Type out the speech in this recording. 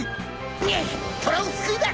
うっ虎を救いだす！